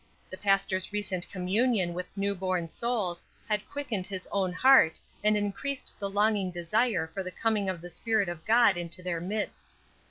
The pastor's recent communion with new born souls had quickened his own heart and increased the longing desire for the coming of the Spirit of God into their midst.